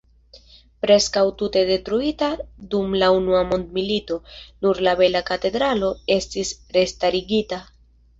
Preskaŭ tute detruita dum la unua mondmilito, nur la bela katedralo estis restarigita.